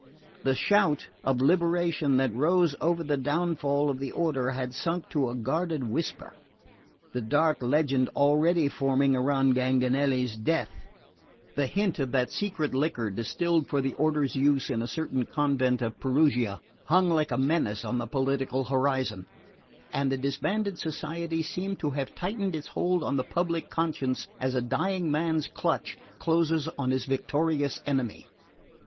The shout of liberation that rose over the downfall of the order had sunk to a guarded whisper. The dark legend already forming around Ganganelli's death, the hint of that secret liquor distilled for the order's use in a certain convent of Perugia, hung like a menace on the political horizon; and the disbanded Society seemed to have tightened its hold on the public conscience as a dying man's clutch closes on his victorious enemy.